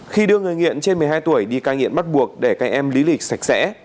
khi đưa người nghiện trên một mươi hai tuổi đi cai nghiện bắt buộc để các em lý lịch sạch sẽ